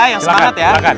yang semangat ya